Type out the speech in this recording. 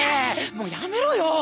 もうやめろよ